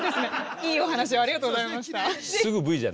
いいお話をありがとうございました。